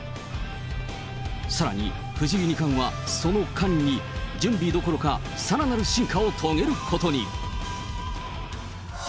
さらに藤井二冠は、その間に、準備どころか、さらなる進化を遂げることに。